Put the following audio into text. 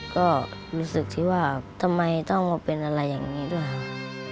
ก็รู้สึกที่ว่าทำไมต้องมาเป็นอะไรอย่างนี้ด้วยครับ